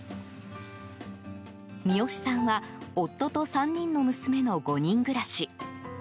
三好さんは夫と３人の娘の５人暮らし。